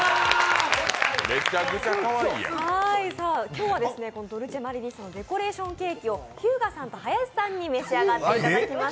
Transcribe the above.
今日はドルチェマリリッサのデコレーションケーキを日向さんと林さんに召し上がっていただきます。